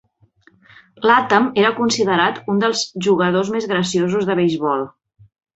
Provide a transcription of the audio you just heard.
Latham era considerat un dels jugadors més graciosos de beisbol.